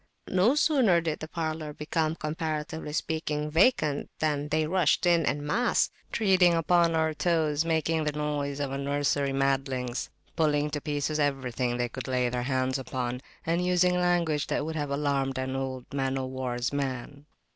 No sooner did the parlour become, comparatively speaking, vacant than they rushed in en masse, treading upon our toes, making the noise of a nursery of madlings, pulling to pieces everything they could lay their hands upon, and using language that would have alarmed an old man o'war's man.